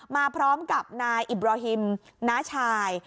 มาพร้อมกับนายอิบราฮิมน้าชาย